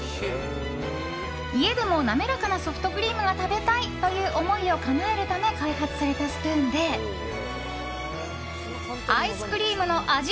家でも滑らかなソフトクリームが食べたい！という思いをかなえるため開発されたスプーンでアイスクリームの味